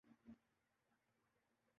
زمباب کے خلاف ہرار میں کھیل